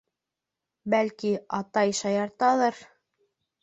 Бәлки, атай шаярталыр?